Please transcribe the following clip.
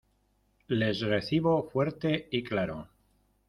Les recibo fuerte y claro.